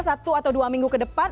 satu atau dua minggu ke depan